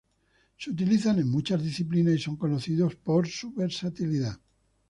Se utilizan en muchas disciplinas y son conocidos por su versatilidad.